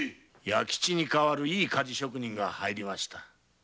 弥吉に代わるいい鍛治職人が入りました。